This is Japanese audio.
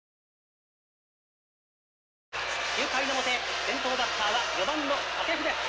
９回の表先頭バッターは４番の掛布です。